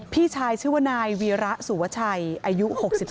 พี่ชายชื่อว่านายวีระสุวชัยอายุ๖๒